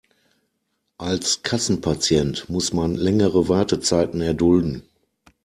Als Kassenpatient muss man längere Wartezeiten erdulden.